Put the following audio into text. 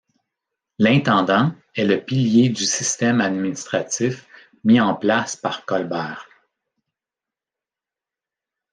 L'intendant est le pilier du système administratif mis en place par Colbert.